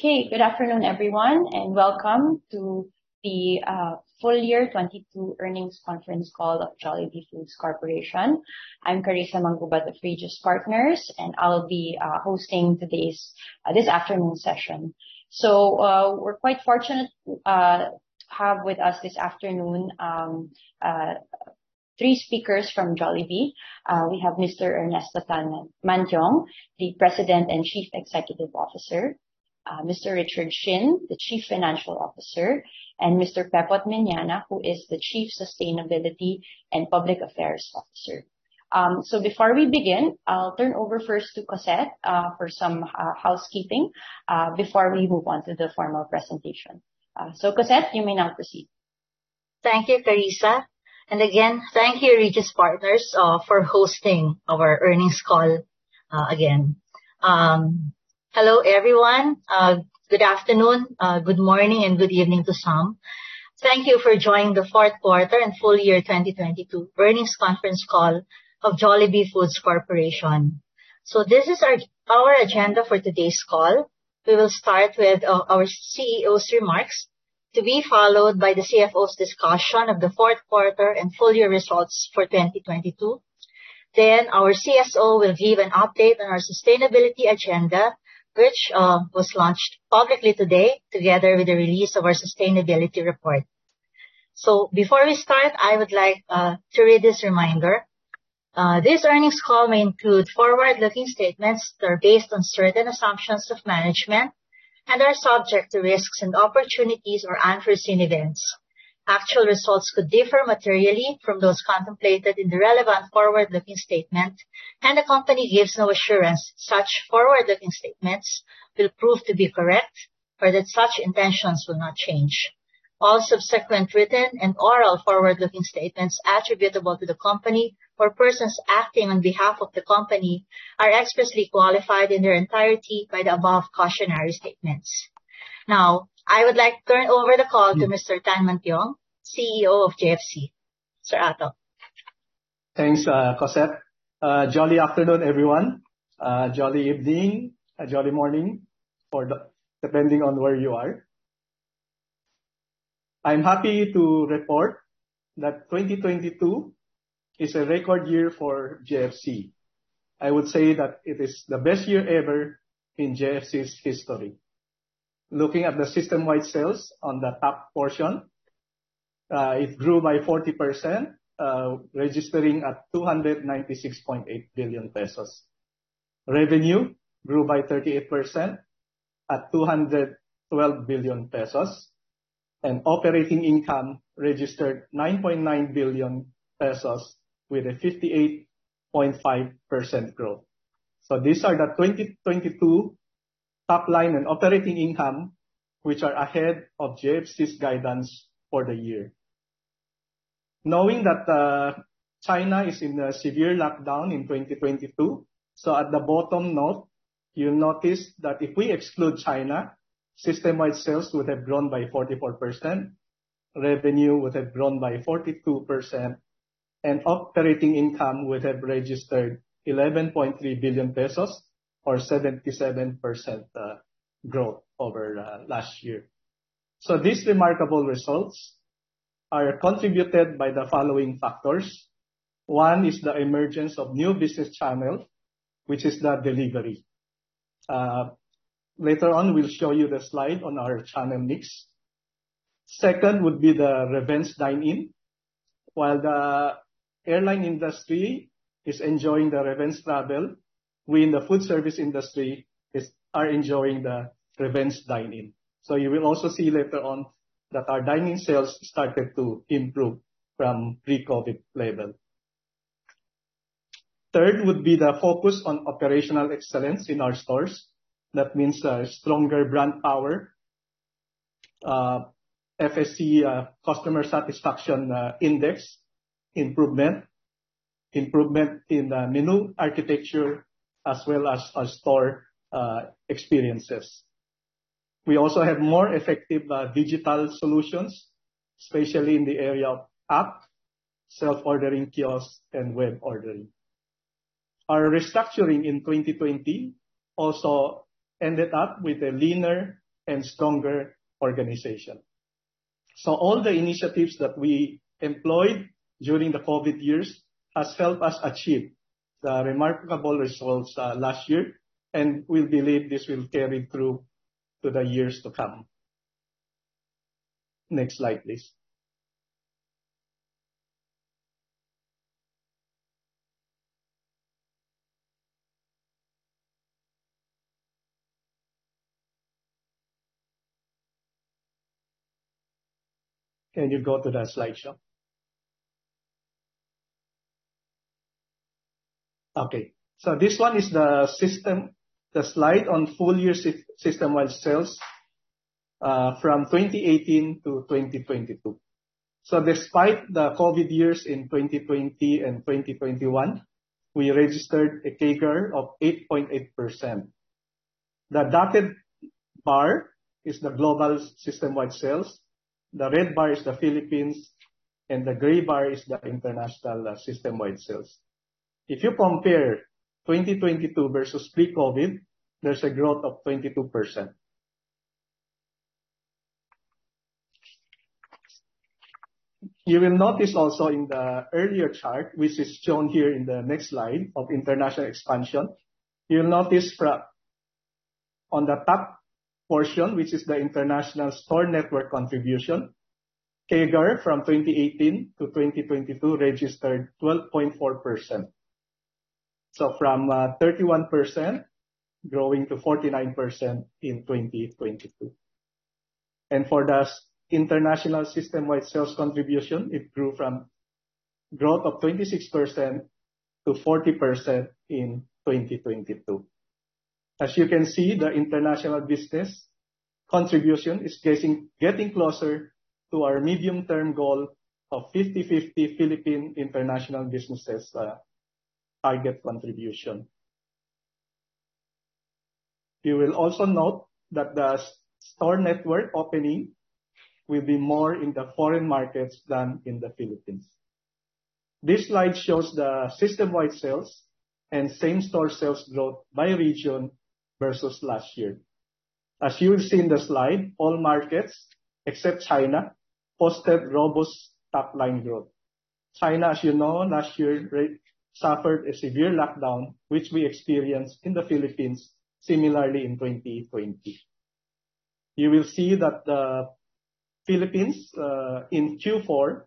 Good afternoon, everyone, and welcome to the full year 2022 Earnings Conference Call of Jollibee Foods Corporation. I'm Carissa Mangubat with the Regis Partners, and I'll be hosting this afternoon's session. We're quite fortunate to have with us this afternoon three speakers from Jollibee. We have Mr. Ernesto Tanmantiong, the President and Chief Executive Officer, Mr. Richard Shin, the Chief Financial Officer, and Mr. Jose Miñana, who is the Chief Sustainability and Public Affairs Officer. Before we begin, I'll turn over first to Cossette for some housekeeping before we move on to the formal presentation. Cossette, you may now proceed. Thank you, Carissa. Again, thank you, Regis Partners, for hosting our earnings call, again. Hello, everyone. Good afternoon, good morning, and good evening to some. Thank you for joining the Fourth Quarter and Full Year 2022 Earnings Conference Call of Jollibee Foods Corporation. This is our agenda for today's call. We will start with our CEO's remarks, to be followed by the CFO's discussion of the fourth quarter and full year results for 2022. Our CSO will give an update on our sustainability agenda, which was launched publicly today together with the release of our sustainability report. Before we start, I would like to read this reminder. This earnings call may include forward-looking statements that are based on certain assumptions of management and are subject to risks and opportunities or unforeseen events. Actual results could differ materially from those contemplated in the relevant forward-looking statement, and the company gives no assurance such forward-looking statements will prove to be correct or that such intentions will not change. All subsequent written and oral forward-looking statements attributable to the company or persons acting on behalf of the company are expressly qualified in their entirety by the above cautionary statements. Now, I would like to turn over the call to Mr. Tanmantiong, CEO of JFC. Sir, Ato. Thanks, Cossette. Jolly afternoon, everyone. Jolly evening and jolly morning for depending on where you are. I'm happy to report that 2022 is a record year for JFC. I would say that it is the best year ever in JFC's history. Looking at the system-wide sales on the top portion, it grew by 40%, registering at 296.8 billion pesos. Revenue grew by 38% at 212 billion pesos, and operating income registered 9.9 billion pesos with a 58.5% growth. These are the 2022 top line and operating income, which are ahead of JFC's guidance for the year. Knowing that China is in a severe lockdown in 2022, at the bottom note, you'll notice that if we exclude China, system-wide sales would have grown by 44%, revenue would have grown by 42%, and operating income would have registered 11.3 billion pesos or 77% growth over last year. These remarkable results are contributed by the following factors. One is the emergence of new business channel, which is the delivery. Later on we'll show you the slide on our channel mix. Second would be the revenge dine-in. While the airline industry is enjoying the revenge travel, we in the food service industry are enjoying the revenge dine-in. You will also see later on that our dine-in sales started to improve from pre-COVID level. Third would be the focus on operational excellence in our stores. That means a stronger brand power, FSC, customer satisfaction index improvement in the menu architecture, as well as store experiences. We also have more effective digital solutions, especially in the area of app, self-ordering kiosks and web ordering. Our restructuring in 2020 also ended up with a leaner and stronger organization. All the initiatives that we employed during the COVID years has helped us achieve the remarkable results last year. We believe this will carry through to the years to come. Next slide, please. Can you go to the slide show? This one is the system, the slide on full year system-wide sales from 2018 to 2022. Despite the COVID years in 2020 and 2021, we registered a CAGR of 8.8%. The dotted bar is the global system-wide sales, the red bar is the Philippines, and the gray bar is the international system-wide sales. If you compare 2022 versus pre-COVID, there's a growth of 22%. You will notice also in the earlier chart, which is shown here in the next slide of international expansion. You'll notice on the top portion, which is the international store network contribution, CAGR from 2018 to 2022 registered 12.4%. From 31% growing to 49% in 2022. For the international system-wide sales contribution, it grew from growth of 26% to 40% in 2022. As you can see, the international business contribution is getting closer to our medium-term goal of 50/50 Philippine international businesses target contribution. You will also note that the store network opening will be more in the foreign markets than in the Philippines. This slide shows the system-wide sales and same-store sales growth by region versus last year. As you'll see in the slide, all markets, except China, posted robust top line growth. China, as you know, last year rate suffered a severe lockdown, which we experienced in the Philippines similarly in 2020. You will see that the Philippines in Q4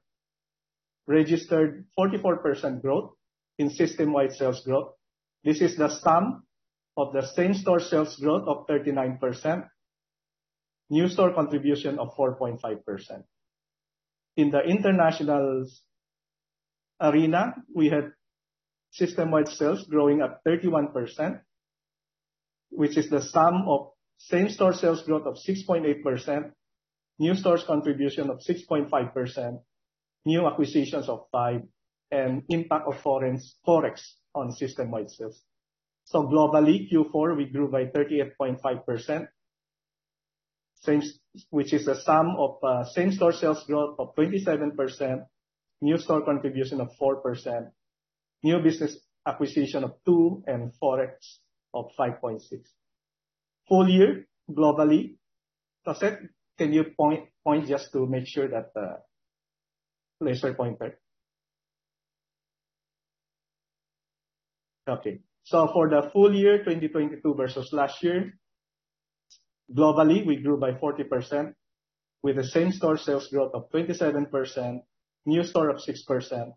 registered 44% growth in system-wide sales growth. This is the sum of the same-store sales growth of 39%, new store contribution of 4.5%. In the internationals arena, we had system-wide sales growing at 31%, which is the sum of same-store sales growth of 6.8%, new stores contribution of 6.5%, new acquisitions of 5%, and impact of Forex on system-wide sales. Globally, Q4, we grew by 38.5%, which is the sum of same-store sales growth of 27%, new store contribution of 4%, new business acquisition of 2%, and Forex of 5.6%. Full year globally. Cossette, can you point just to make sure that laser pointer. Okay. For the full year, 2022 versus last year, globally, we grew by 40% with the same-store sales growth of 27%, new store of 6%,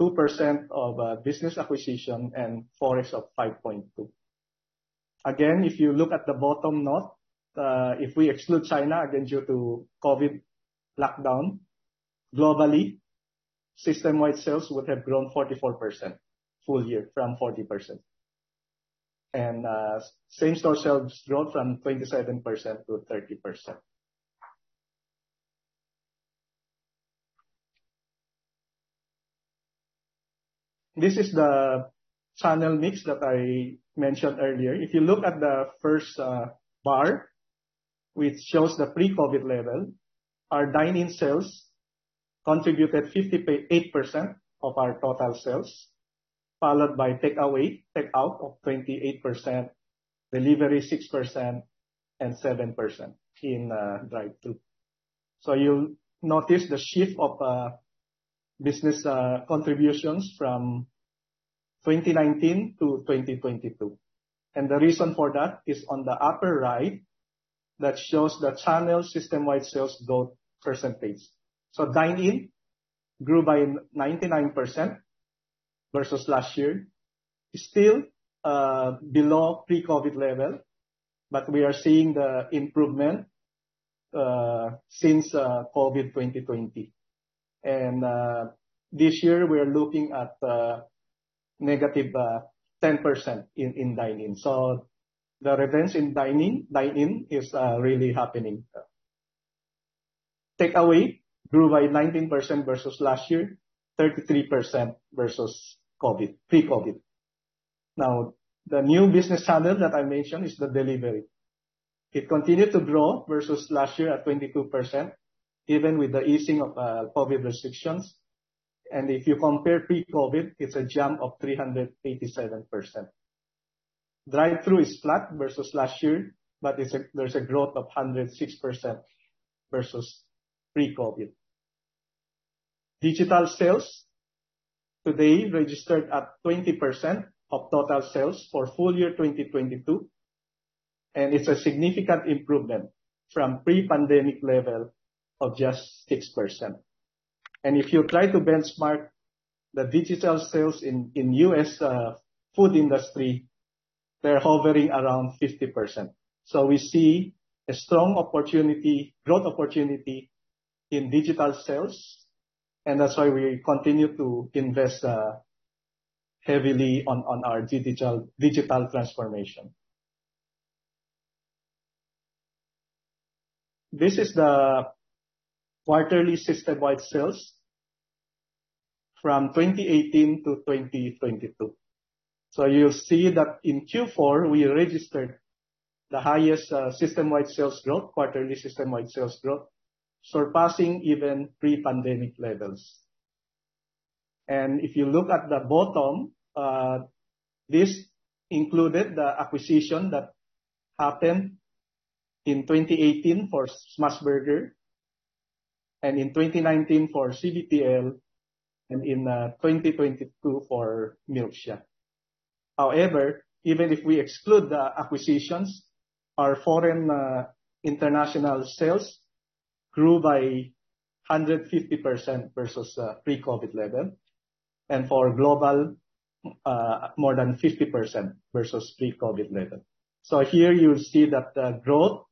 2% of business acquisition, and Forex of 5.2%. Again, if you look at the bottom note, if we exclude China, again, due to COVID lockdown, globally, system-wide sales would have grown 44% full year from 40%. Same-store sales growth from 27%-30%. This is the channel mix that I mentioned earlier. If you look at the first bar, which shows the pre-COVID level, our dine-in sales contributed 58% of our total sales, followed by takeaway/takeout of 28%, delivery 6%, and 7% in drive-thru. You'll notice the shift of business contributions from 2019 to 2022. The reason for that is on the upper right, that shows the channel system-wide sales growth percentage. Dine-in grew by 99% versus last year. It's still below pre-COVID level, but we are seeing the improvement since COVID 2020. This year, we are looking at negative 10% in dine-in. The revenge in dine-in is really happening. Takeaway grew by 19% versus last year, 33% versus COVID, pre-COVID. The new business channel that I mentioned is the delivery. It continued to grow versus last year at 22%, even with the easing of COVID restrictions. If you compare pre-COVID, it's a jump of 387%. Drive-thru is flat versus last year, but there's a growth of 106% versus pre-COVID. Digital sales today registered at 20% of total sales for full year 2022, and it's a significant improvement from pre-pandemic level of just 6%. If you try to benchmark the digital sales in U.S. food industry, they're hovering around 50%. We see a strong opportunity, growth opportunity in digital sales, and that's why we continue to invest heavily on our digital transformation. This is the quarterly system-wide sales from 2018-2022. You'll see that in Q4, we registered the highest system-wide sales growth, quarterly system-wide sales growth, surpassing even pre-pandemic levels. If you look at the bottom, this included the acquisition that happened in 2018 for Smashburger, and in 2019 for CBTL, and in 2022 for Milksha. However, even if we exclude the acquisitions, our foreign international sales grew by 150% versus pre-COVID level. For global, more than 50% versus pre-COVID level. Here you'll see that the growth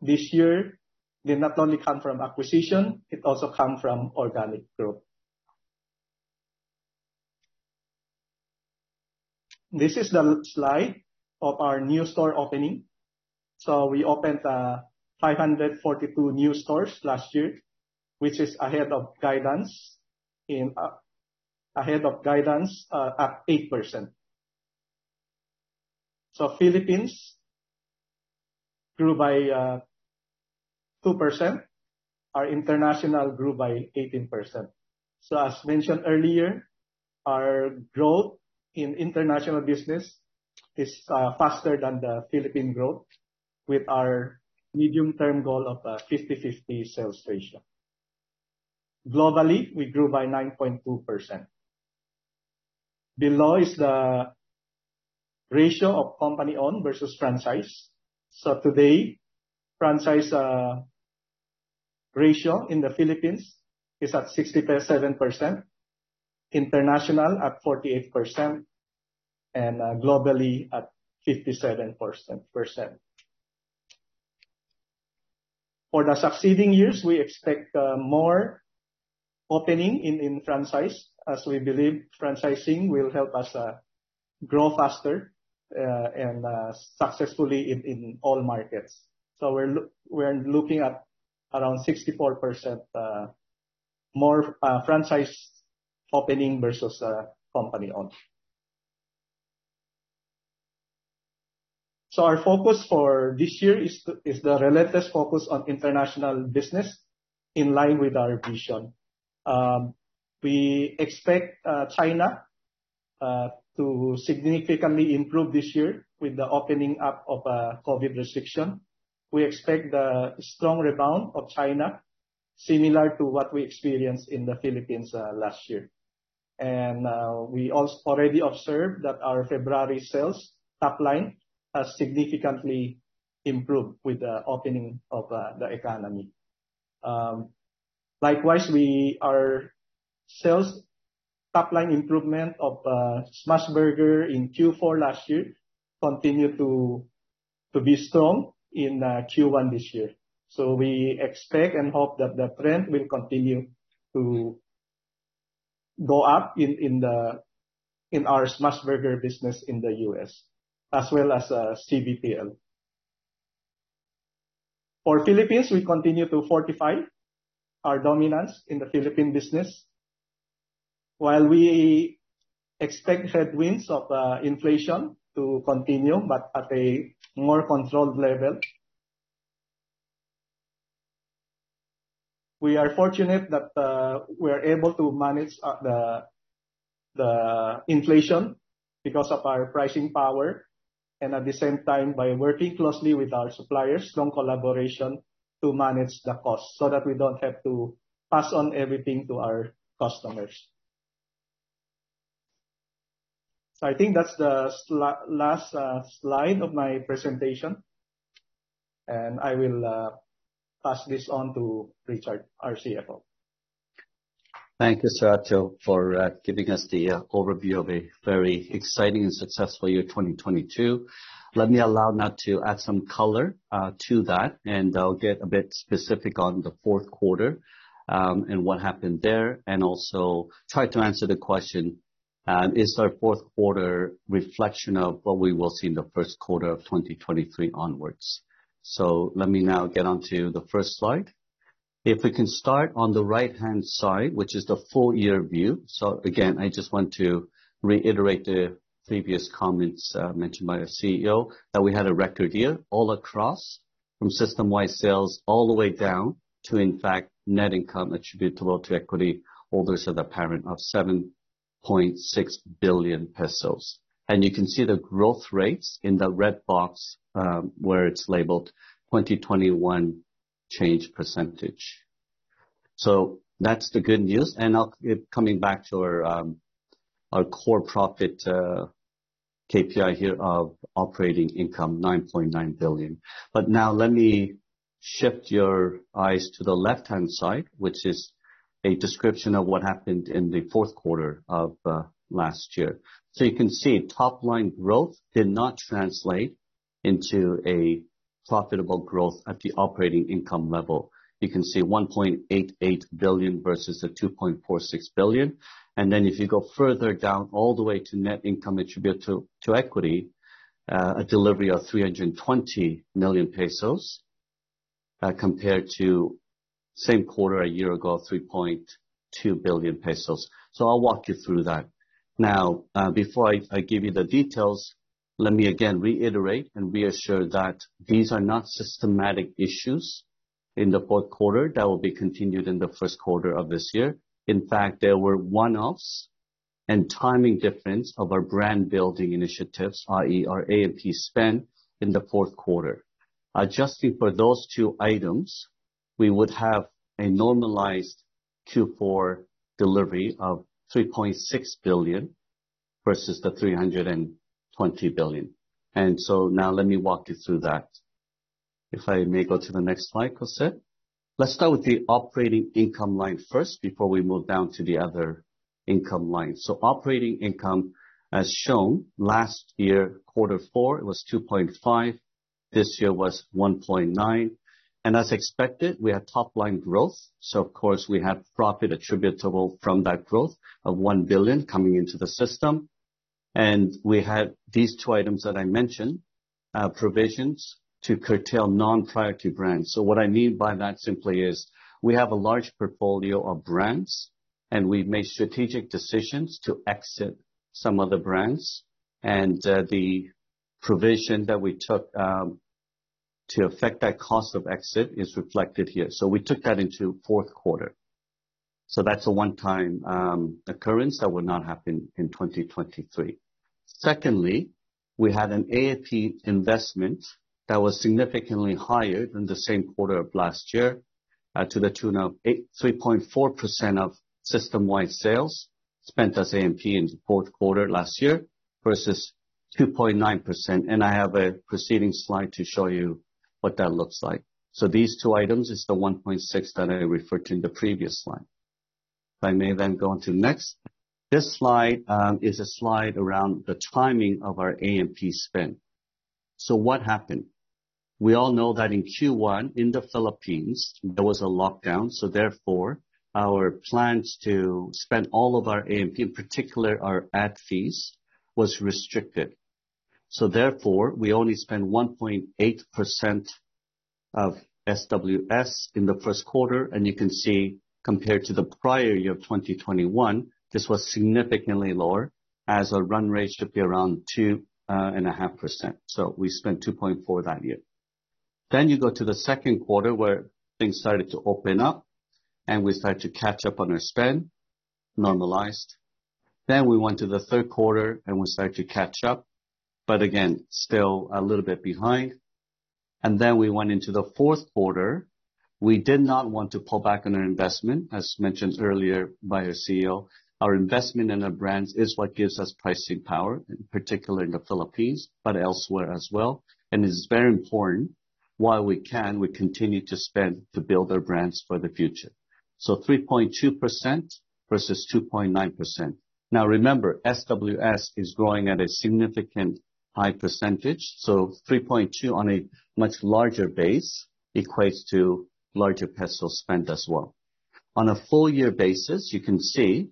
this year did not only come from acquisition, it also come from organic growth. This is the slide of our new store opening. We opened 542 new stores last year, which is ahead of guidance at 8%. Philippines grew by 2%. Our international grew by 18%. As mentioned earlier, our growth in international business is faster than the Philippine growth with our medium-term goal of 50/50 sales ratio. Globally, we grew by 9.2%. Below is the ratio of company-owned versus franchise. Today, franchise ratio in the Philippines is at 67%, international at 48%, and globally at 57%. For the succeeding years, we expect more opening in franchise, as we believe franchising will help us grow faster and successfully in all markets. We're looking at around 64% more franchise opening versus company-owned. Our focus for this year is the relentless focus on international business in line with our vision. We expect China to significantly improve this year with the opening up of COVID restriction. We expect the strong rebound of China similar to what we experienced in the Philippines last year. we already observed that our February sales top line has significantly improved with the opening of the economy. Likewise our sales top line improvement of Smashburger in Q4 last year continued to be strong in Q1 this year. we expect and hope that the trend will continue to go up in our Smashburger business in the U.S. as well as CBTL. For Philippines, we continue to fortify our dominance in the Philippine business. While we expect headwinds of inflation to continue, but at a more controlled level. We are fortunate that we are able to manage the inflation because of our pricing power, and at the same time by working closely with our suppliers, strong collaboration to manage the cost so that we don't have to pass on everything to our customers. I think that's the last slide of my presentation, and I will pass this on to Richard, our CFO. Thank you, Sir Ato, for giving us the overview of a very exciting and successful year 2022. Let me allow now to add some color to that, and I'll get a bit specific on the fourth quarter and what happened there, and also try to answer the question, is our fourth quarter reflection of what we will see in the first quarter of 2023 onwards. Let me now get on to the first slide. If we can start on the right-hand side, which is the full year view. Again, I just want to reiterate the previous comments mentioned by our CEO that we had a record year all across from system-wide sales all the way down to in fact Net Income Attributable to Equity Holders of the Parent of 7.6 billion pesos. You can see the growth rates in the red box, where it's labeled 2021 change percentage. That's the good news. I'll be coming back to our core profit KPI here of operating income, 9.9 billion. Now let me shift your eyes to the left-hand side, which is a description of what happened in the fourth quarter of last year. You can see top line growth did not translate into a profitable growth at the operating income level. You can see 1.88 billion versus the 2.46 billion. If you go further down all the way to Net Income Attributable to Equity, a delivery of 320 million pesos. Compared to same quarter a year ago, 3.2 billion pesos. I'll walk you through that. Now, before I give you the details, let me again reiterate and reassure that these are not systematic issues in the fourth quarter that will be continued in the first quarter of this year. In fact, there were one-offs and timing difference of our brand-building initiatives, i.e. our AMP spend in the fourth quarter. Adjusting for those two items, we would have a normalized Q4 delivery of 3.6 billion versus 320 billion. Now let me walk you through that. If I may go to the next slide, Jose. Let's start with the operating income line first before we move down to the other income line. Operating income, as shown last year, quarter four, it was 2.5 billion. This year was 1.9 billion. as expected, we had top-line growth. of course, we had profit attributable from that growth of 1 billion coming into the system. we had these two items that I mentioned, provisions to curtail non-priority brands. what I mean by that simply is we have a large portfolio of brands, and we've made strategic decisions to exit some of the brands. the provision that we took to affect that cost of exit is reflected here. we took that into Q4. that's a one-time occurrence that will not happen in 2023. Secondly, we had an AMP investment that was significantly higher than the same quarter of last year, to the tune of 3.4% of system-wide sales spent as AMP in the Q4 last year versus 2.9%. I have a proceeding slide to show you what that looks like. These two items is the 1.6 that I referred to in the previous slide. If I may go on to next. This slide is a slide around the timing of our AMP spend. What happened? We all know that in Q1, in the Philippines, there was a lockdown, therefore, our plans to spend all of our AMP, in particular our ad fees, was restricted. Therefore, we only spent 1.8% of SWS in the first quarter, You can see, compared to the prior year of 2021, this was significantly lower, as our run rate should be around 2.5%. We spent 2.4% that year. You go to the second quarter, where things started to open up, and we started to catch up on our spend, normalized. We went to the third quarter, and we started to catch up, but again, still a little bit behind. We went into the fourth quarter. We did not want to pull back on our investment. As mentioned earlier by our CEO, our investment in our brands is what gives us pricing power, in particular in the Philippines, but elsewhere as well. It's very important, while we can, we continue to spend to build our brands for the future. 3.2% versus 2.9%. Now, remember, SWS is growing at a significant high percentage, so 3.2% on a much larger base equates to larger PHP spend as well. On a full year basis, you can see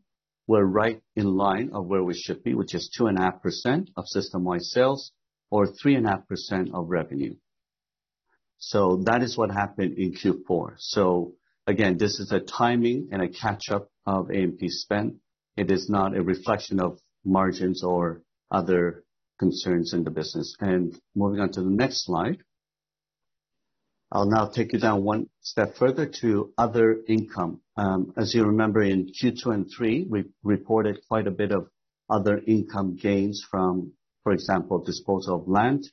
we're right in line of where we should be, which is 2.5% of system-wide sales or 3.5% of revenue. That is what happened in Q4. Again, this is a timing and a catch-up of AMP spend. It is not a reflection of margins or other concerns in the business. Moving on to the next slide, I'll now take you down one step further to other income. As you remember, in Q2 and Q3, we reported quite a bit of other income gains from, for example, disposal of land.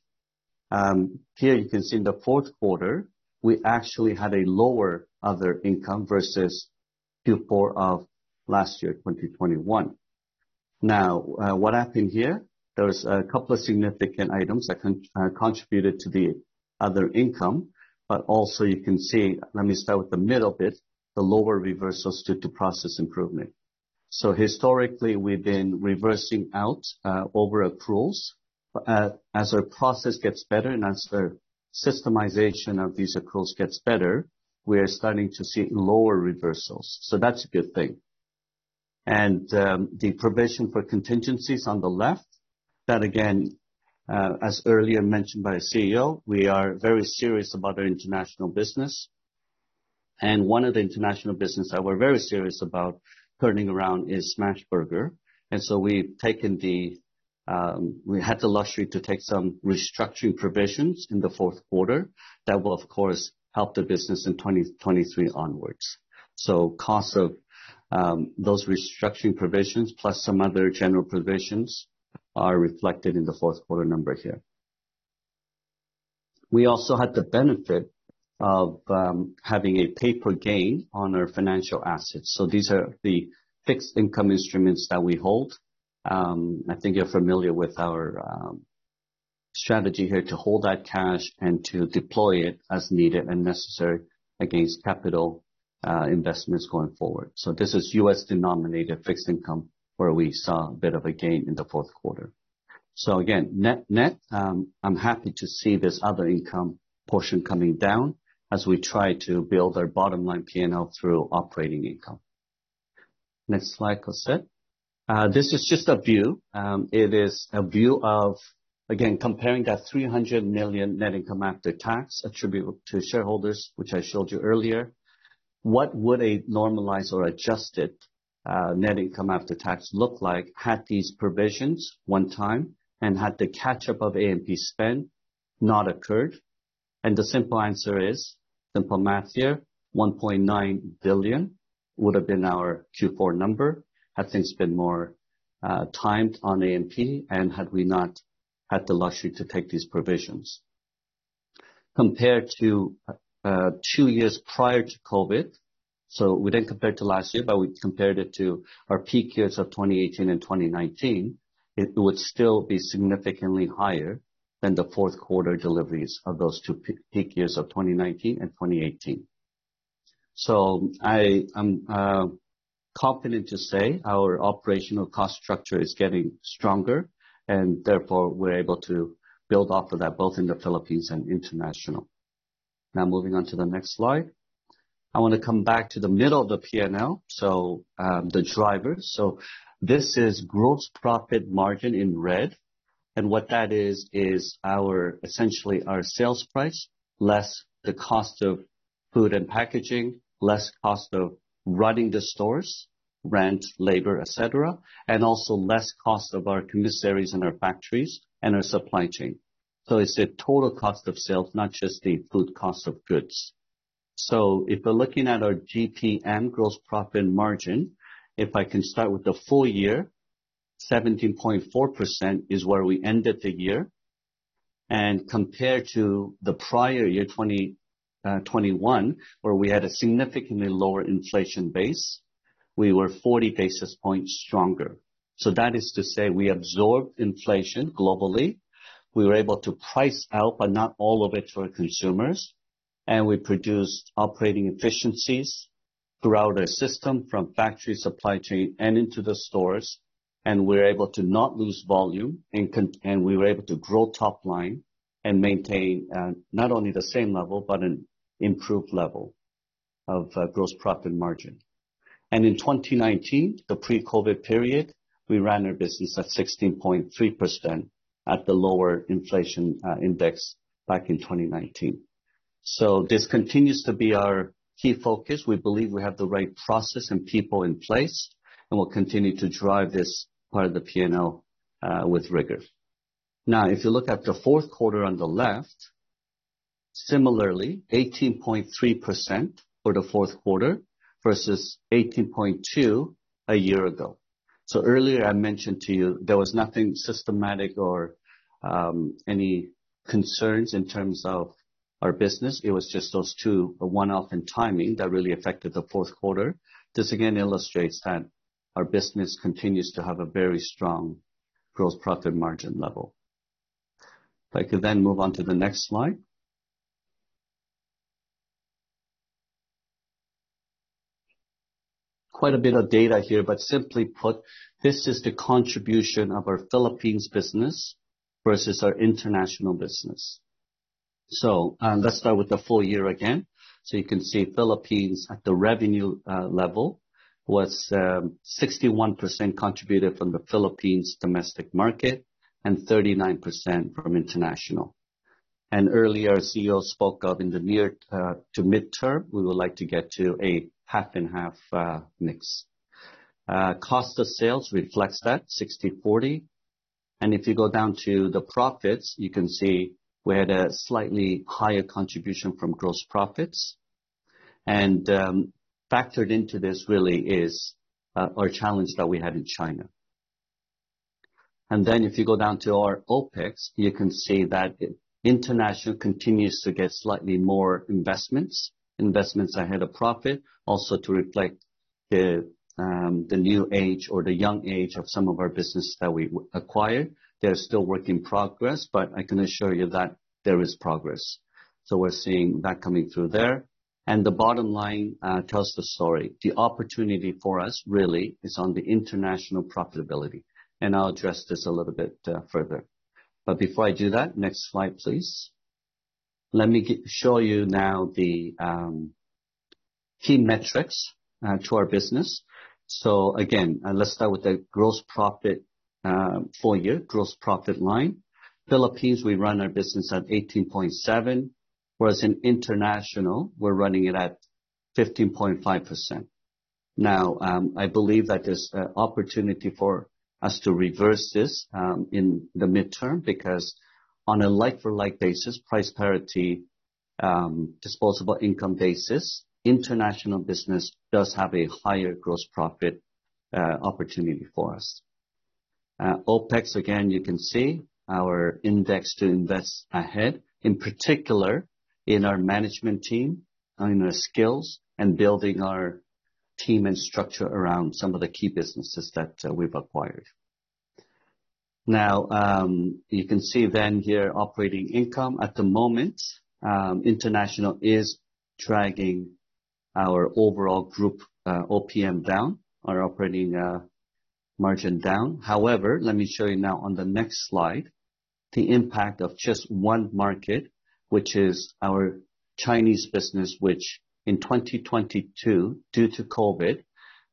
Here you can see in the fourth quarter, we actually had a lower other income versus Q4 of last year, 2021. What happened here, there was a couple of significant items that contributed to the other income, but also you can see. Let me start with the middle bit, the lower reversals due to process improvement. Historically, we've been reversing out, over accruals. As our process gets better and as our systemization of these accruals gets better, we are starting to see lower reversals. That's a good thing. The provision for contingencies on the left, that again, as earlier mentioned by CEO, we are very serious about our international business. One of the international business that we're very serious about turning around is Smashburger. We had the luxury to take some restructuring provisions in the fourth quarter that will of course help the business in 2023 onwards. Costs of those restructuring provisions, plus some other general provisions, are reflected in the fourth quarter number here. We also had the benefit of having a paper gain on our financial assets. These are the fixed income instruments that we hold. I think you're familiar with our strategy here to hold that cash and to deploy it as needed and necessary against capital investments going forward. This is U.S.-denominated fixed income, where we saw a bit of a gain in the fourth quarter. Again, net, I'm happy to see this other income portion coming down as we try to build our bottom line P&L through operating income. Next slide, Jose. This is just a view. It is a view of, again, comparing that 300 million net income after tax attributable to shareholders, which I showed you earlier. What would a normalized or adjusted net income after tax look like had these provisions one time and had the catch-up of A&P spend not occurred? The simple answer is simple math here. 1.9 billion would have been our Q4 number had things been more timed on A&P and had we not had the luxury to take these provisions. Compared to two years prior to COVID, we didn't compare to last year, but we compared it to our peak years of 2018 and 2019. It would still be significantly higher than the fourth quarter deliveries of those two peak years of 2019 and 2018. I am confident to say our operational cost structure is getting stronger and therefore we're able to build off of that both in the Philippines and international. Moving on to the next slide. I want to come back to the middle of the P&L. The drivers. This is gross profit margin in red. What that is our essentially our sales price, less the cost of food and packaging, less cost of running the stores, rent, labor, et cetera, and also less cost of our commissaries and our factories and our supply chain. It's the total cost of sales, not just the food cost of goods. If we're looking at our GPM, gross profit margin, if I can start with the full year, 17.4% is where we ended the year. Compared to the prior year, 2021, where we had a significantly lower inflation base, we were 40 basis points stronger. That is to say we absorbed inflation globally. We were able to price out, but not all of it to our consumers. We produced operating efficiencies throughout our system from factory supply chain and into the stores, and we're able to not lose volume and we were able to grow top line and maintain not only the same level but an improved level of gross profit margin. In 2019, the pre-COVID period, we ran our business at 16.3% at the lower inflation index back in 2019. This continues to be our key focus. We believe we have the right process and people in place, and we'll continue to drive this part of the P&L with rigor. If you look at the fourth quarter on the left, similarly 18.3% for the fourth quarter versus 18.2% a year ago. Earlier I mentioned to you there was nothing systematic or any concerns in terms of our business. It was just those two, a one-off and timing, that really affected the fourth quarter. This again illustrates that our business continues to have a very strong gross profit margin level. If I could move on to the next slide. Quite a bit of data here, simply put, this is the contribution of our Philippines business versus our international business. Let's start with the full year again. You can see Philippines at the revenue level was 61% contributed from the Philippines domestic market and 39% from international. Earlier, our CEO spoke of in the near to mid-term, we would like to get to a half and half mix. Cost of sales reflects that 60/40. If you go down to the profits, you can see we had a slightly higher contribution from gross profits. Factored into this really is our challenge that we had in China. If you go down to our OpEx, you can see that international continues to get slightly more investments. Investments ahead of profit. Also to reflect the new age or the young age of some of our business that we acquired. They're still work in progress, but I can assure you that there is progress. We're seeing that coming through there. The bottom line tells the story. The opportunity for us really is on the international profitability. I'll address this a little bit further. Before I do that, next slide, please. Let me show you now the key metrics to our business. Again, let's start with the gross profit, full year gross profit line. Philippines, we run our business at 18.7%, whereas in international we're running it at 15.5%. I believe that there's an opportunity for us to reverse this in the mid-term because on a like for like basis, price parity, disposable income basis, international business does have a higher gross profit opportunity for us. OpEx, again, you can see our index to invest ahead, in particular in our management team, in our skills, and building our team and structure around some of the key businesses that we've acquired. You can see then here operating income. At the moment, international is dragging our overall group OPM down, our operating margin down. Let me show you now on the next slide. The impact of just 1 market, which is our Chinese business, which in 2022 due to COVID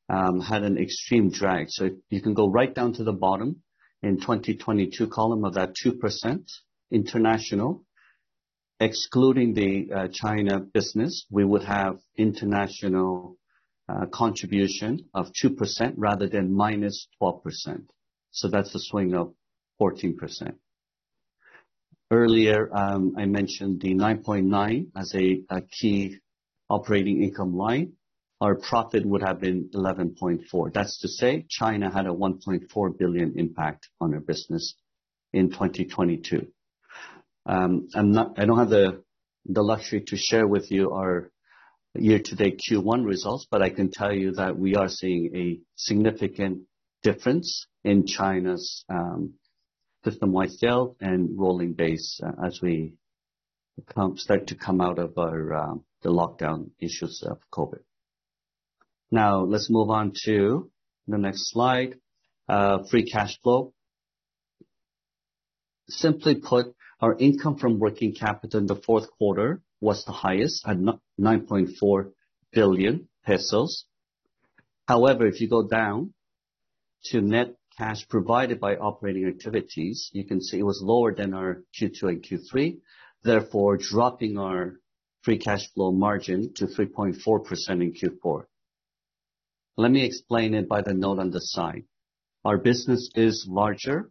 had an extreme drag. You can go right down to the bottom in 2022 column of that 2% international. Excluding the China business, we would have international contribution of 2% rather than -12%. That's a swing of 14%. Earlier, I mentioned the 9.9 as a key operating income line. Our profit would have been 11.4. That's to say China had a 1.4 billion impact on our business in 2022. I don't have the luxury to share with you our year-to-date Q1 results. I can tell you that we are seeing a significant difference in China's system-wide sales and rolling basis as we start to come out of the lockdown issues of COVID. Let's move on to the next slide. Free cash flow. Simply put, our income from working capital in the fourth quarter was the highest at 9.4 billion pesos. If you go down to net cash provided by operating activities, you can see it was lower than our Q2 and Q3, therefore dropping our free cash flow margin to 3.4% in Q4. Let me explain it by the note on the side. Our business is larger.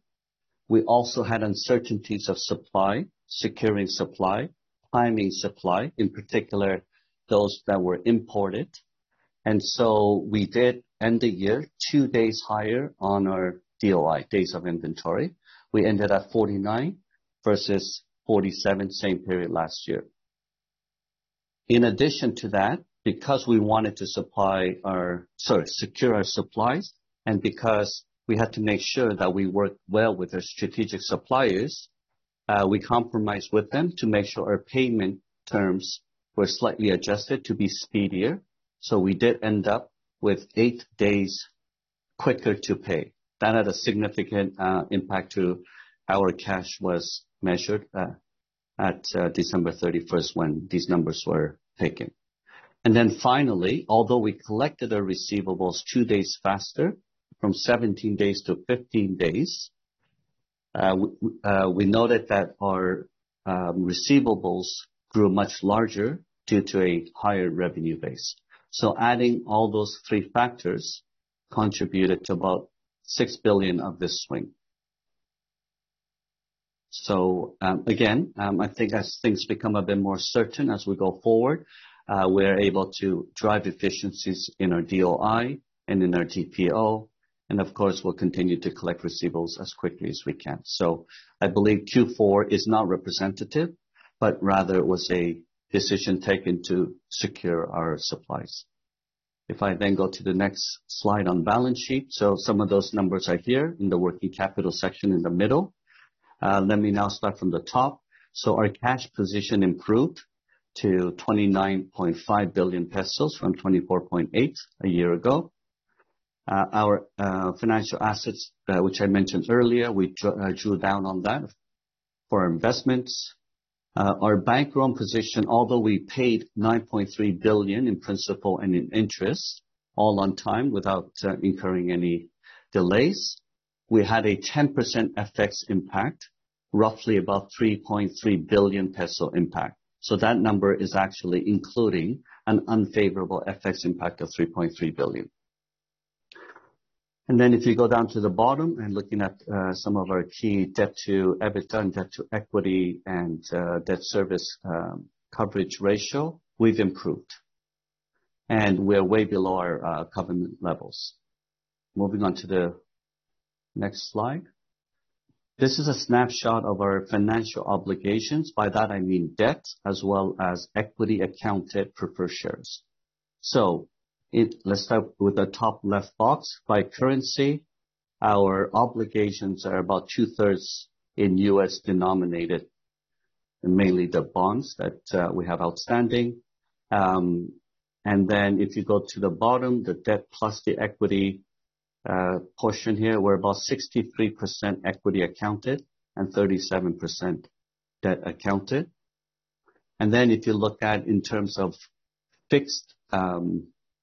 We also had uncertainties of supply, securing supply, timing supply, in particular, those that were imported. We did end the year two days higher on our DOI, Days of Inventory. We ended at 49 versus 47 same period last year. In addition to that, because we wanted to secure our supplies, and because we had to make sure that we work well with our strategic suppliers, we compromised with them to make sure our payment terms were slightly adjusted to be speedier. We did end up with eight days quicker to pay. That had a significant impact to our cash was measured at December 31st when these numbers were taken. Although we collected our receivables two days faster, from 17 days to 15 days, we noted that our receivables grew much larger due to a higher revenue base. Adding all those three factors contributed to about 6 billion of this swing. Again, I think as things become a bit more certain as we go forward, we're able to drive efficiencies in our DOI and in our DPO, and of course, we'll continue to collect receivables as quickly as we can. I believe Q4 is not representative, but rather it was a decision taken to secure our supplies. If I go to the next slide on balance sheet. Some of those numbers are here in the working capital section in the middle. Let me now start from the top. Our cash position improved to 29.5 billion pesos from 24.8 billion a year ago. Our financial assets, which I mentioned earlier, we drew down on that for our investments. Our bank loan position, although we paid 9.3 billion in principal and in interest all on time without incurring any delays, we had a 10% FX impact, roughly about 3.3 billion peso impact. That number is actually including an unfavorable FX impact of 3.3 billion. If you go down to the bottom and looking at some of our key debt to EBITDA and debt to equity and Debt Service Coverage Ratio, we've improved. We're way below our covenant levels. Moving on to the next slide. This is a snapshot of our financial obligations. By that I mean debt as well as equity accounted preferred shares. Let's start with the top left box. By currency, our obligations are about 2/3 in U.S.-denominated, mainly the bonds that we have outstanding. If you go to the bottom, the debt plus the equity portion here, we're about 63% equity accounted and 37% debt accounted. If you look at in terms of fixed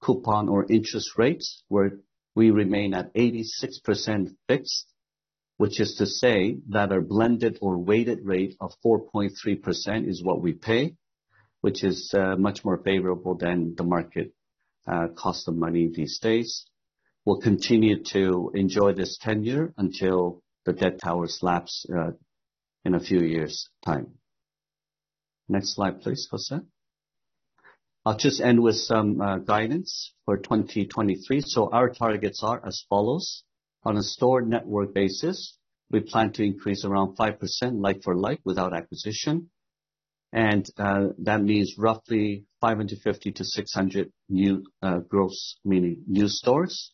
coupon or interest rates, we remain at 86% fixed, which is to say that our blended or weighted rate of 4.3% is what we pay, which is much more favorable than the market cost of money these days. We'll continue to enjoy this tenure until the debt towers lapse in a few years time. Next slide, please, Jose. I'll just end with some guidance for 2023. Our targets are as follows. On a store network basis, we plan to increase around 5% like-for-like without acquisition. That means roughly 550-600 gross, meaning new stores.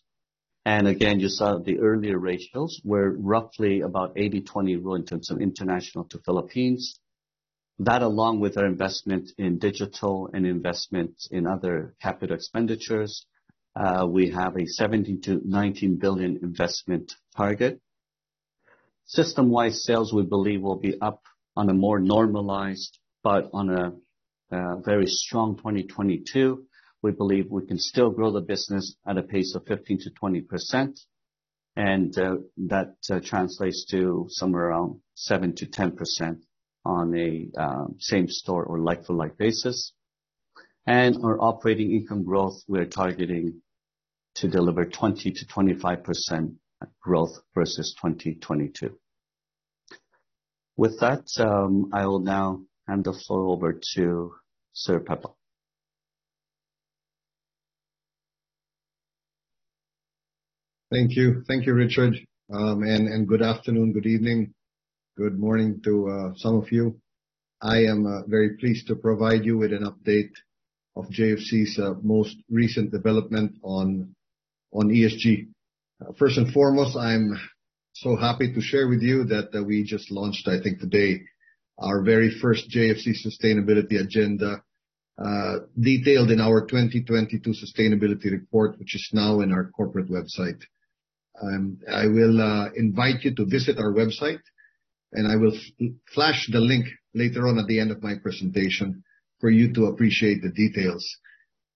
Again, you saw the earlier ratios were roughly about 80-20 really in terms of international to Philippines. That along with our investment in digital and investment in other capital expenditures, we have a 17 billion-19 billion investment target. System-wide sales we believe will be up on a more normalized but on a very strong 2022. We believe we can still grow the business at a pace of 15%-20%, that translates to somewhere around 7%-10% on a same-store or like-for-like basis. Our operating income growth, we are targeting to deliver 20%-25% growth versus 2022. With that, I will now hand the floor over to Sir Pepot. Thank you, Richard. Good afternoon, good evening, good morning to some of you. I am very pleased to provide you with an update of JFC's most recent development on ESG. First and foremost, I'm so happy to share with you that, we just launched, I think today, our very first JFC sustainability agenda, detailed in our 2022 sustainability report, which is now in our corporate website. I will invite you to visit our website, and I will flash the link later on at the end of my presentation for you to appreciate the details.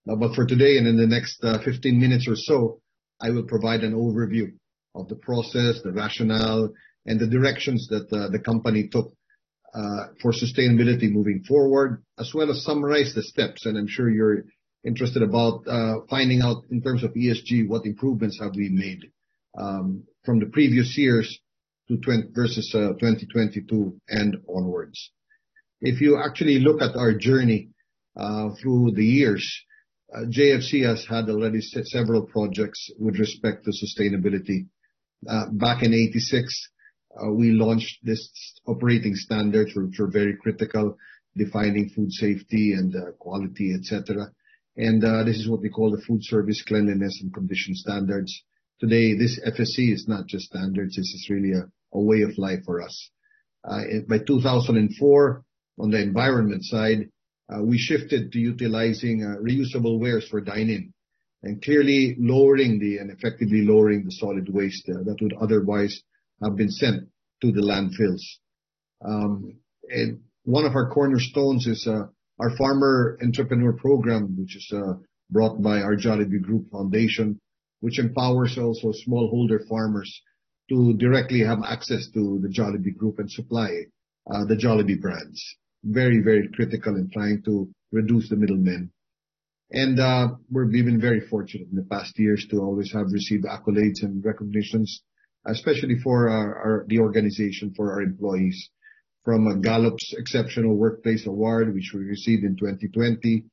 For today and in the next 15 minutes or so, I will provide an overview of the process, the rationale, and the directions that the company took for sustainability moving forward, as well as summarize the steps. I'm sure you're interested about finding out in terms of ESG, what improvements have we made from the previous years versus 2022 and onwards. If you actually look at our journey through the years, JFC has had already several projects with respect to sustainability. Back in 86, we launched this operating standards which were very critical, defining food safety and quality, et cetera. This is what we call the Food Service Cleanliness and Condition Standards. Today, this FSC is not just standards, this is really a way of life for us. By 2004, on the environment side, we shifted to utilizing reusable wares for dine-in and effectively lowering the solid waste that would otherwise have been sent to the landfills. One of our cornerstones is our Farmer Entrepreneur Program, which is brought by our Jollibee Group Foundation, which empowers also smallholder farmers to directly have access to the Jollibee Group and supply the Jollibee brands. Very, very critical in trying to reduce the middlemen. We've been very fortunate in the past years to always have received accolades and recognitions, especially for our organization, for our employees, from Gallup Exceptional Workplace Award, which we received in 2020. If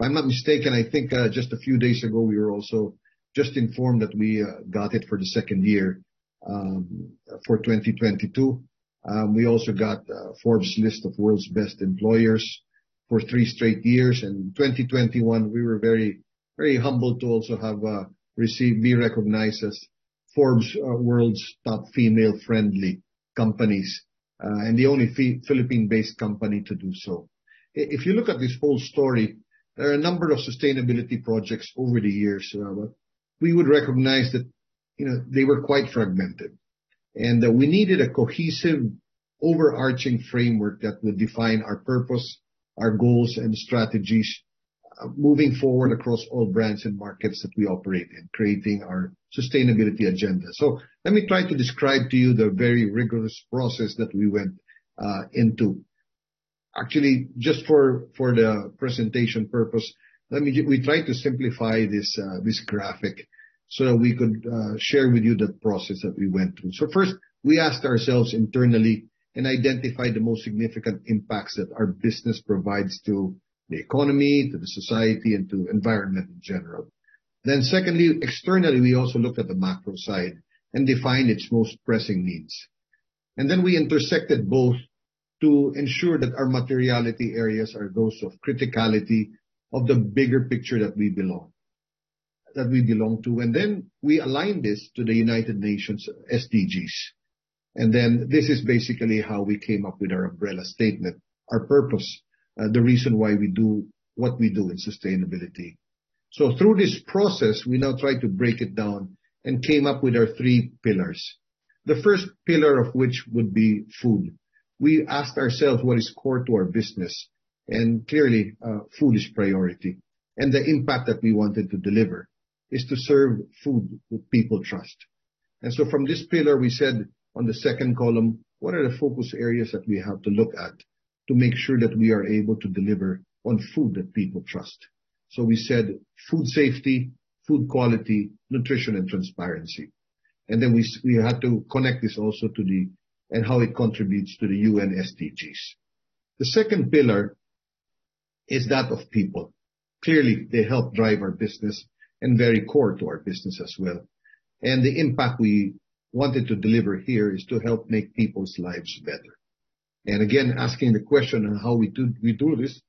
I'm not mistaken, I think just a few days ago, we were also just informed that we got it for the second year for 2022. We also got Forbes list of World's Best Employers for three straight years. In 2021, we were very, very humbled to also be recognized as Forbes World's Top Female-Friendly Companies, and the only Philippine-based company to do so. If you look at this whole story, there are a number of sustainability projects over the years, but we would recognize that, you know, they were quite fragmented. We needed a cohesive, overarching framework that would define our purpose, our goals and strategies, moving forward across all brands and markets that we operate in, creating our sustainability agenda. Let me try to describe to you the very rigorous process that we went into. Actually, just for the presentation purpose, we try to simplify this graphic so that we could share with you the process that we went through. First, we asked ourselves internally and identified the most significant impacts that our business provides to the economy, to the society, and to environment in general. Secondly, externally, we also looked at the macro side and defined its most pressing needs. We intersected both to ensure that our materiality areas are those of criticality of the bigger picture that we belong to. We aligned this to the United Nations SDGs. This is basically how we came up with our umbrella statement, our purpose, the reason why we do what we do in sustainability. Through this process, we now try to break it down and came up with our three pillars. The first pillar of which would be food. We asked ourselves what is core to our business, and clearly, food is priority. The impact that we wanted to deliver is to serve food people trust. From this pillar, we said on the second column, what are the focus areas that we have to look at to make sure that we are able to deliver on food that people trust? We said food safety, food quality, nutrition and transparency. We had to connect this also to how it contributes to the UN SDGs. The second pillar is that of people. Clearly, they help drive our business and very core to our business as well. The impact we wanted to deliver here is to help make people's lives better. Again, asking the question on how we do this,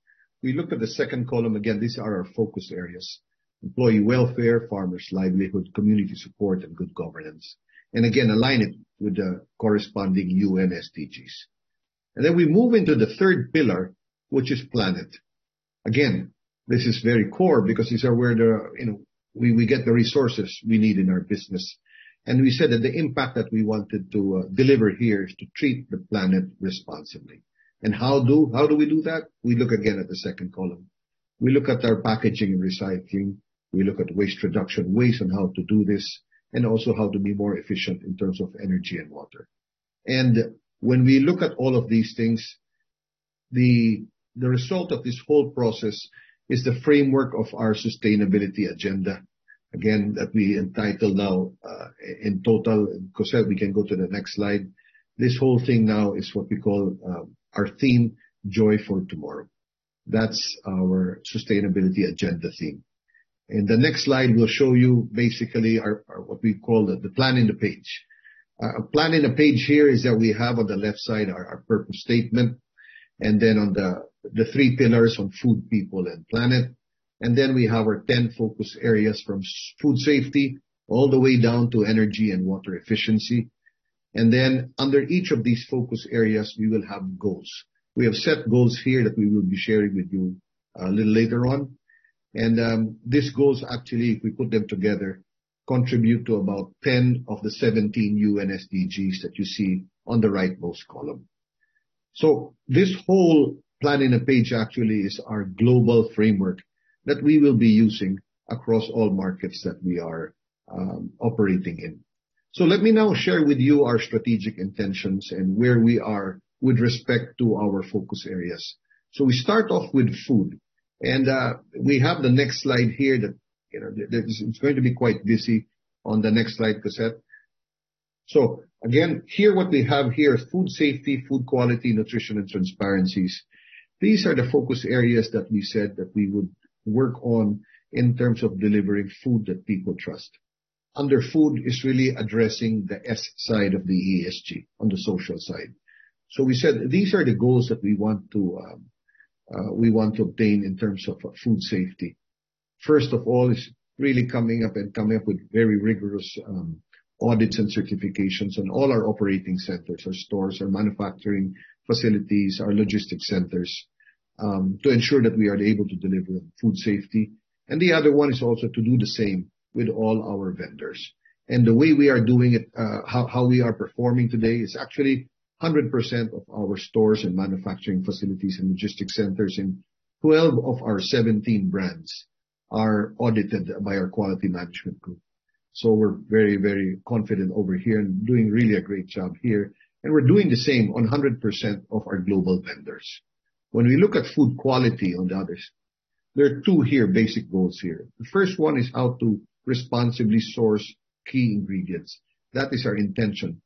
we look at the second column. Again, these are our focus areas. Employee welfare, farmers' livelihood, community support, and good governance. Again, align it with the corresponding UN SDGs. We move into the third pillar, which is planet. Again, this is very core because these are where the, you know, we get the resources we need in our business. We said that the impact that we wanted to deliver here is to treat the planet responsibly. How do we do that? We look again at the second column. We look at our packaging and recycling, we look at waste reduction ways on how to do this, and also how to be more efficient in terms of energy and water. When we look at all of these things, the result of this whole process is the framework of our sustainability agenda, again, that we entitle now in total. Cossette, we can go to the next slide. This whole thing now is what we call our theme, Joy for Tomorrow. That's our sustainability agenda theme. In the next slide, we'll show you basically our what we call the plan in the page. Plan-in-a-page here is that we have on the left side our purpose statement, on the three pillars on food, people, and planet. We have our 10 focus areas from food safety all the way down to energy and water efficiency. Under each of these focus areas, we will have goals. We have set goals here that we will be sharing with you a little later on. These goals, actually, if we put them together, contribute to about 10 of the 17 UN SDGs that you see on the right-most column. This whole plan-in-a-page actually is our global framework that we will be using across all markets that we are, operating in. Let me now share with you our strategic intentions and where we are with respect to our focus areas. We start off with food. We have the next slide here that, you know, it's going to be quite busy on the next slide, Cossette. Again, here what we have here is food safety, food quality, nutrition, and transparencies. These are the focus areas that we said that we would work on in terms of delivering food that people trust. Under food is really addressing the S side of the ESG, on the social side. We said these are the goals that we want to, we want to obtain in terms of food safety. First of all is really coming up with very rigorous audits and certifications on all our operating centers, our stores, our manufacturing facilities, our logistics centers to ensure that we are able to deliver food safety. The other one is also to do the same with all our vendors. The way we are doing it, how we are performing today is actually 100% of our stores and manufacturing facilities and logistics centers in 12 of our 17 brands are audited by our quality management group. We're very, very confident over here and doing really a great job here, and we're doing the same on 100% of our global vendors. When we look at food quality on the others, there are two here, basic goals here. The first one is how to responsibly source key ingredients. That is our intention.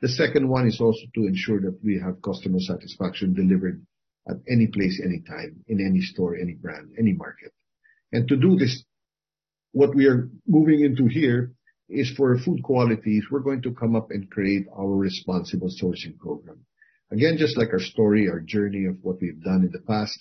The second one is also to ensure that we have customer satisfaction delivered at any place, any time, in any store, any brand, any market. To do this, what we are moving into here is for food qualities, we're going to come up and create our Responsible Sourcing Program. Again, just like our story, our journey of what we've done in the past,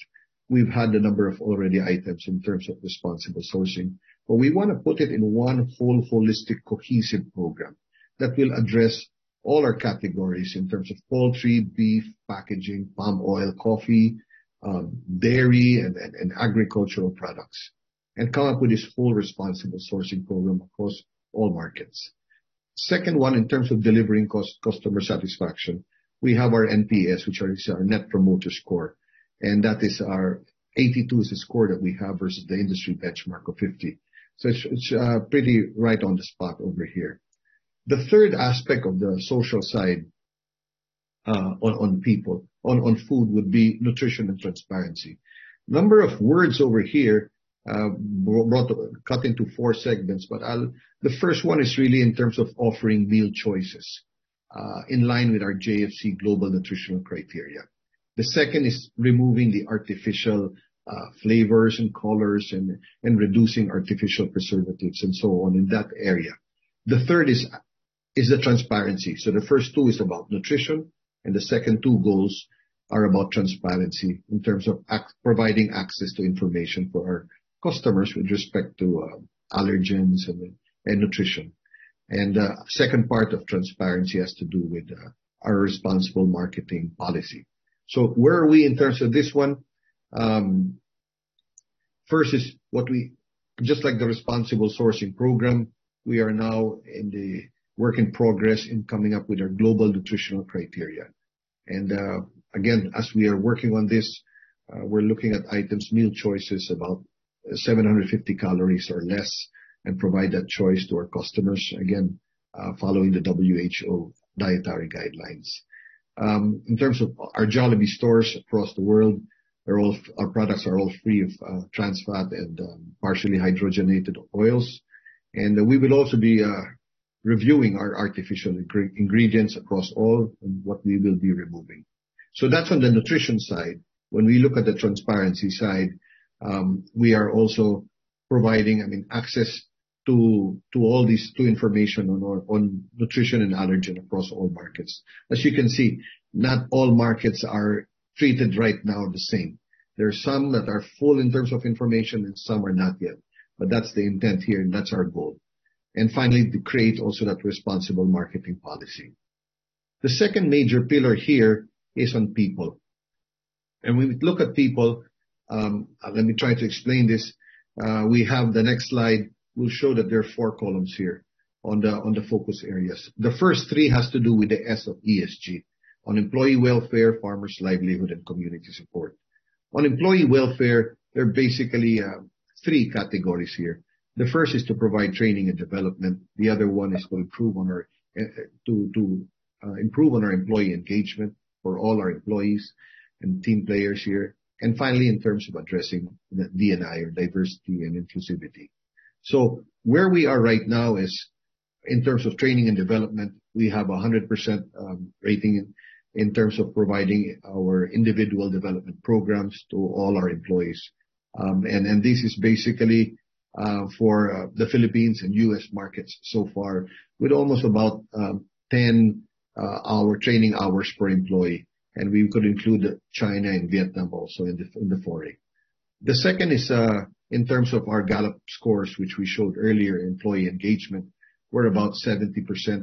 we've had a number of already items in terms of responsible sourcing, but we want to put it in one full holistic, cohesive program that will address all our categories in terms of poultry, beef, packaging, palm oil, coffee, dairy and agricultural products, and come up with this full Responsible Sourcing Program across all markets. Second one, in terms of delivering cost-customer satisfaction, we have our NPS, which is our Net Promoter Score, and that is our 82 is the score that we have versus the industry benchmark of 50. It's pretty right on the spot over here. The third aspect of the social side on food would be nutrition and transparency. Number of words over here cut into four segments, the first one is really in terms of offering meal choices in line with our JFC Global Nutritional Criteria. The second is removing the artificial flavors and colors and reducing artificial preservatives and so on in that area. The third is the transparency. The first two is about nutrition, and the second two goals are about transparency in terms of providing access to information for our customers with respect to allergens and nutrition. Second part of transparency has to do with our Responsible Marketing policy. Where are we in terms of this one? First is just like the Responsible Sourcing Program, we are now in the work in progress in coming up with our Global Nutritional Criteria. Again, as we are working on this, we're looking at items, meal choices about 750 calories or less and provide that choice to our customers, again, following the WHO dietary guidelines. In terms of our Jollibee stores across the world, our products are all free of trans fat and partially hydrogenated oils. We will also be reviewing our artificial ingredients across all and what we will be removing. That's on the nutrition side. When we look at the transparency side, I mean, we are also providing to information on nutrition and allergen across all markets. As you can see, not all markets are treated right now the same. There are some that are full in terms of information, and some are not yet. That's the intent here, and that's our goal. Finally, to create also that Responsible Marketing policy. The second major pillar here is on people. When we look at people, let me try to explain this. We have the next slide will show that there are four columns here on the focus areas. The first three has to do with the S of ESG, on employee welfare, farmers' livelihood, and community support. On employee welfare, there are basically three categories here. The first is to provide training and development. The other one is to improve on our employee engagement for all our employees and team players here. Finally, in terms of addressing the D&I or diversity and inclusivity. Where we are right now is, in terms of training and development, we have a 100% rating in terms of providing our individual development programs to all our employees. This is basically for the Philippines and U.S. markets so far, with almost about 10 hour training hours per employee. We could include China and Vietnam also in the foray. The second is in terms of our Gallup scores, which we showed earlier, employee engagement, we're about 70%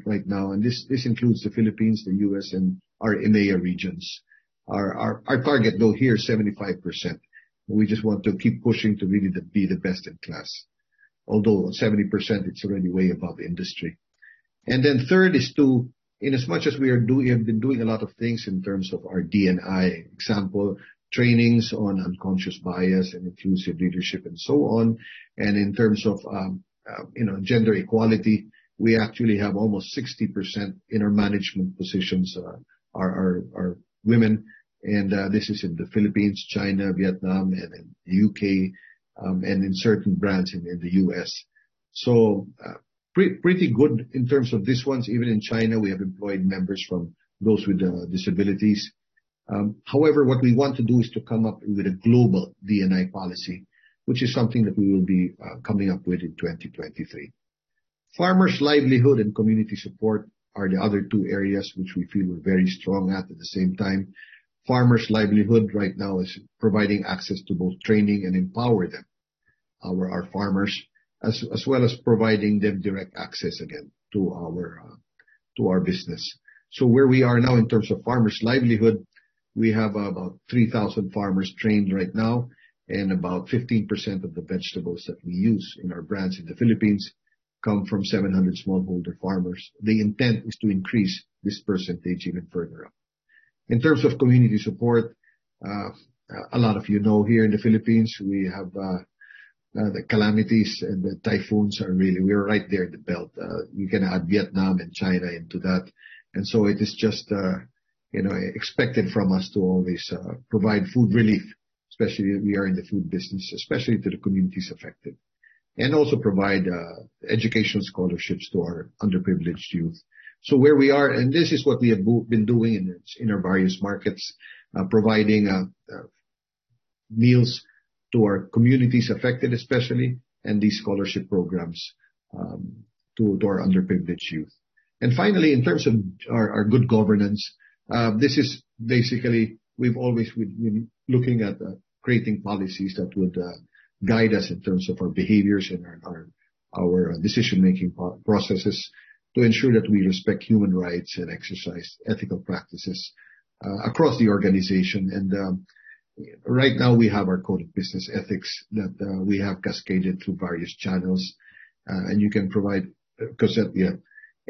right now, this includes the Philippines, the U.S., and our EMEA regions. Our target, though, here is 75%. We just want to keep pushing to really be the best in class. Although at 70%, it's already way above the industry. Third is to, in as much as we have been doing a lot of things in terms of our D&I example, trainings on unconscious bias and inclusive leadership and so on. In terms of, you know, gender equality, we actually have almost 60% in our management positions are women. This is in the Philippines, China, Vietnam, and in the U.K., and in certain brands in the U.S. Pretty good in terms of these ones. Even in China, we have employed members those with disabilities. However, what we want to do is to come up with a global D&I policy, which is something that we will be coming up with in 2023. Farmers' livelihood and community support are the other two areas which we feel we're very strong at. At the same time, farmers' livelihood right now is providing access to both training and empower them, our farmers, as well as providing them direct access again to our to our business. Where we are now in terms of farmers' livelihood, we have about 3,000 farmers trained right now, and about 15% of the vegetables that we use in our brands in the Philippines come from 700 smallholder farmers. The intent is to increase this percentage even further up. In terms of community support, a lot of you know, here in the Philippines, we have the calamities and the typhoons. We're right there in the belt. You can add Vietnam and China into that. It is just, you know, expected from us to always provide food relief, especially we are in the food business, especially to the communities affected, and also provide educational scholarships to our underprivileged youth. Where we are, and this is what we have been doing in our various markets, providing meals to our communities affected especially, and these scholarship programs to our underprivileged youth. Finally, in terms of our good governance, this is basically we've always been looking at creating policies that would guide us in terms of our behaviors and our decision-making processes to ensure that we respect human rights and exercise ethical practices across the organization. Right now we have our Code of Business Ethics that we have cascaded through various channels. You can provide, Cossette, yeah.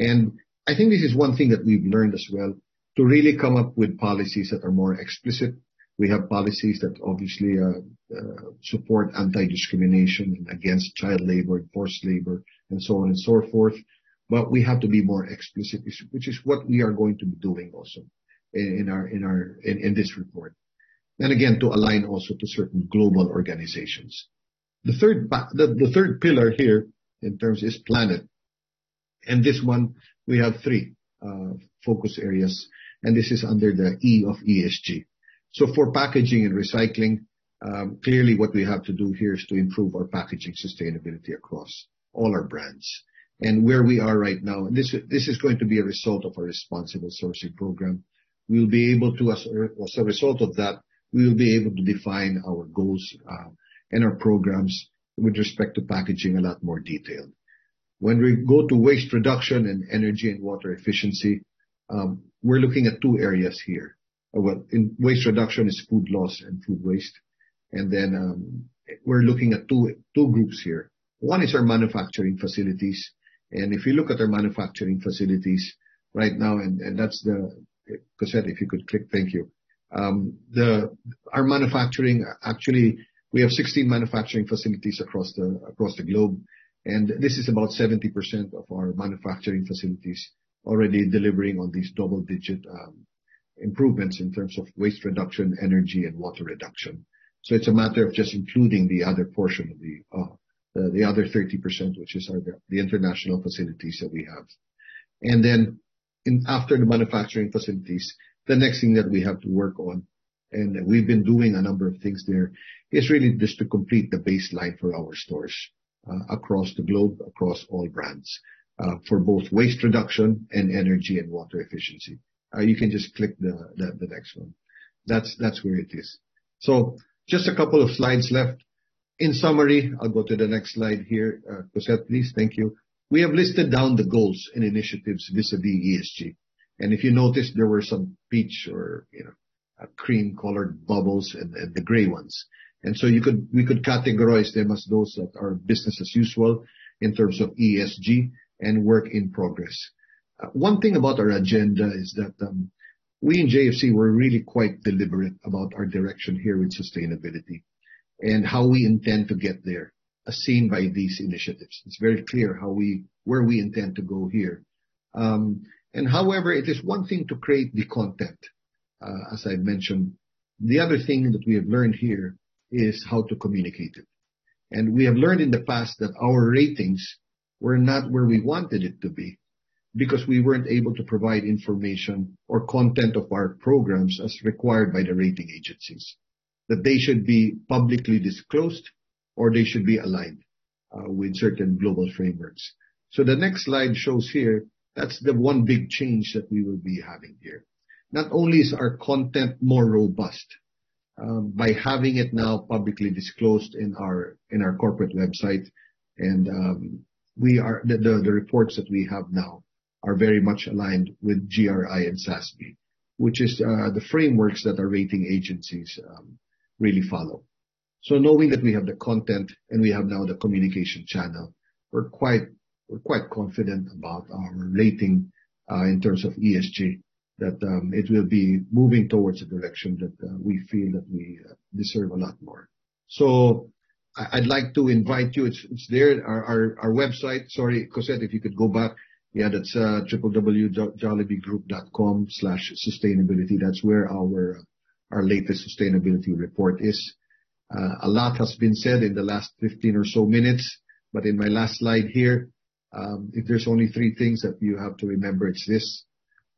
I think this is one thing that we've learned as well, to really come up with policies that are more explicit. We have policies that obviously support anti-discrimination against child labor and forced labor and so on and so forth, but we have to be more explicit, which is what we are going to be doing also in this report. Again, to align also to certain global organizations. The third pillar here in terms is planet. This one we have three focus areas, and this is under the E of ESG. For packaging and recycling, clearly what we have to do here is to improve our packaging sustainability across all our brands. Where we are right now, this is going to be a result of our Responsible Sourcing Program. We'll be able to, as a result of that, we will be able to define our goals and our programs with respect to packaging a lot more detailed. When we go to waste reduction and energy and water efficiency, we're looking at two areas here. Well, in waste reduction is food loss and food waste. We're looking at two groups here. One is our manufacturing facilities. If you look at our manufacturing facilities right now, Cossette, if you could click. Thank you. Our manufacturing, actually, we have 16 manufacturing facilities across the globe, and this is about 70% of our manufacturing facilities already delivering on these double-digit improvements in terms of waste reduction, energy and water reduction. It's a matter of just including the other portion of the other 30%, which is our, the international facilities that we have. After the manufacturing facilities, the next thing that we have to work on. We've been doing a number of things there. It's really just to complete the baseline for our stores across the globe, across all brands for both waste reduction and energy and water efficiency. You can just click the next one. That's where it is. Just a couple of slides left. In summary, I'll go to the next slide here, Cossette, please. Thank you. We have listed down the goals and initiatives vis-à-vis ESG. If you noticed, there were some peach or, you know, cream-colored bubbles and the gray ones. We could categorize them as those that are business as usual in terms of ESG and work in progress. One thing about our agenda is that we in JFC were really quite deliberate about our direction here with sustainability and how we intend to get there, as seen by these initiatives. It's very clear where we intend to go here. However, it is one thing to create the content, as I've mentioned. The other thing that we have learned here is how to communicate it. We have learned in the past that our ratings were not where we wanted it to be because we weren't able to provide information or content of our programs as required by the rating agencies. That they should be publicly disclosed, or they should be aligned with certain global frameworks. The next slide shows here that's the one big change that we will be having here. Not only is our content more robust by having it now publicly disclosed in our corporate website and the reports that we have now are very much aligned with GRI and SASB, which is the frameworks that the rating agencies really follow. Knowing that we have the content and we have now the communication channel, we're quite confident about our rating in terms of ESG, that it will be moving towards a direction that we feel that we deserve a lot more. I'd like to invite you. It's there, our website. Sorry, Cossette, if you could go back. Yeah, that's www.jollibeegroup.com/sustainability. That's where our latest sustainability report is. A lot has been said in the last 15 or so minutes, but in my last slide here, if there's only three things that you have to remember, it's this: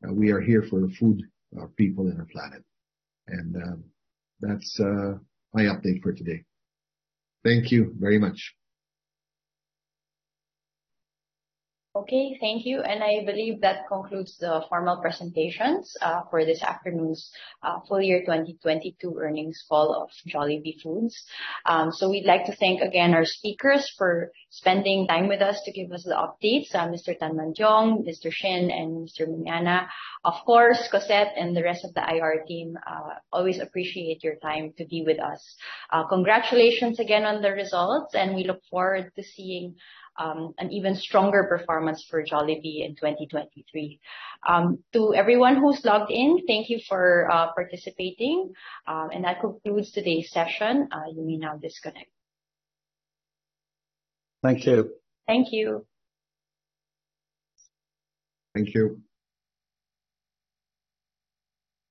We are here for the food, our people and our planet. That's my update for today. Thank you very much. Okay. Thank you. I believe that concludes the formal presentations for this afternoon's full year 2022 earnings call of Jollibee Foods. We'd like to thank again our speakers for spending time with us to give us the updates. Mr. Tanmantiong, Mr. Shin and Mr. Miñana. Of course, Cossette and the rest of the IR team, always appreciate your time to be with us. Congratulations again on the results, and we look forward to seeing an even stronger performance for Jollibee in 2023. To everyone who's logged in, thank you for participating. That concludes today's session. You may now disconnect. Thank you. Thank you. Thank you.